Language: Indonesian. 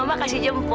aku mau pergi dong